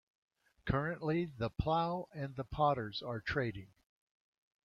Currently The Plough and The Potters are trading.